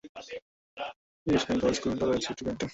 B A F Shaheen college কুর্মিটোলায় রয়েছে একটি ক্যান্টিন।